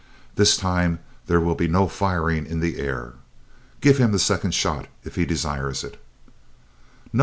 This time there will be no firing in the air. Give him the second shot, if he desires it." "No!